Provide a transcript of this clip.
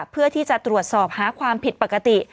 เพื่อที่จะตรวจสอบหาความผิดปกติ